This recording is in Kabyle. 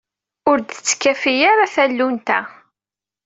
Ur d-tettkafi ara tallunt-a.